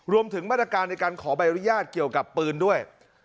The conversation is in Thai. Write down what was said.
รวมถึงมาตรการในการขอใบอนุญาตเกี่ยวกับปืนด้วย